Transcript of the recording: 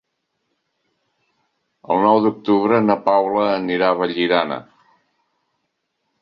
El nou d'octubre na Paula anirà a Vallirana.